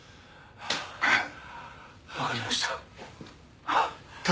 わかりました。